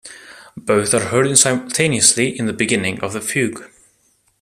Both are heard simultaneously in the beginning of the fugue.